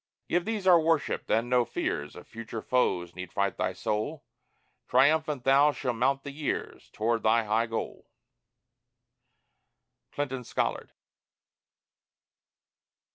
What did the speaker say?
Give these our worship; then no fears Of future foes need fright thy soul; Triumphant thou shalt mount the years Toward thy high goal! CLINTON SCOLLARD.